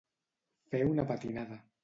Fer una patinada.